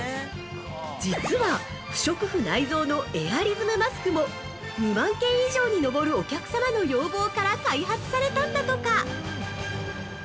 実は、不織布内蔵のエアリズムマスクも、２万件以上にのぼるお客様の要望から開発されたんだとか！